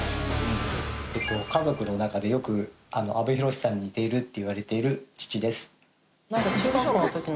家族の中でよく阿部寛さんに似ているって言われている父です。